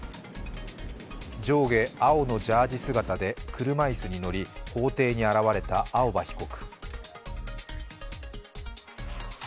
上下、青のジャージー姿で車椅子に乗り法廷に現れた青葉被告。